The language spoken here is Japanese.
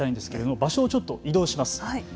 場所をちょっと移動します。